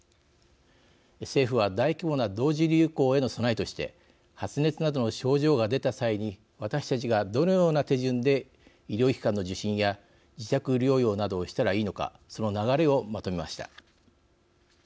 政府は大規模な同時流行への備えとして発熱などの症状が出た際に私たちが、どのような手順で医療機関の受診や自宅療養などをしたらいいのかその流れをまとめました。